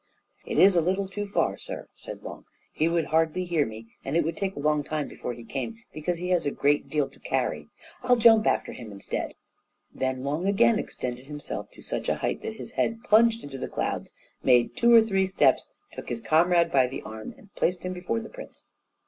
"It is a little too far, sir," said Long; "he would hardly hear me, and it would take a long time before he came, because he has a great deal to carry. I'll jump after him instead." Then Long again extended himself to such a height that his head plunged into the clouds, made two or three steps, took his comrade by the arm, and placed him before the prince.